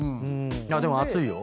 でも熱いよ。